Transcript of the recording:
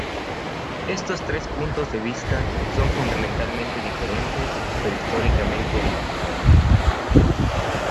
Estos tres puntos de vista son fundamentalmente diferentes, pero históricamente vinculados.